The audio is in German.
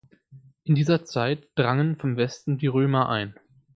In dieser Zeit drangen vom Westen die Römer ein.